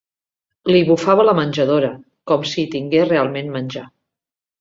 Li bufava la menjadora, com si hi tingués realment menjar